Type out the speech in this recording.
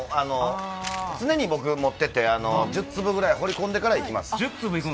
常に僕は持っていて、１０粒ぐらい放り込んでからいきます。